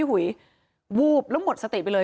หู้บแล้วหมดสติกไปเลย